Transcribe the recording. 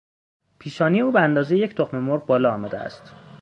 پیشانی او به اندازهی یک تخممرغ بالا آمده است.